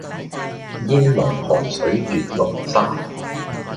煙籠寒水月籠沙